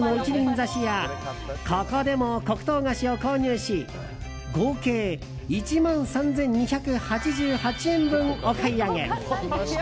挿しやここでも黒糖菓子を購入し合計１万３２８８円分お買い上げ。